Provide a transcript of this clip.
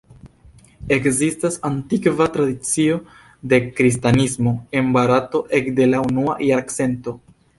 Ekzistas antikva tradicio de kristanismo en Barato ekde la unua jarcento.